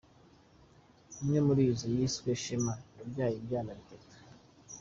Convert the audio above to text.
Imwe muri zo yiswe Shema yabyaye ibyana batatu.